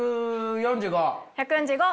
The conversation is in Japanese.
１４５。